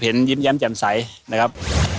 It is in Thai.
ก็เห็นยิ้มแย้มแจ่มใสนะครับ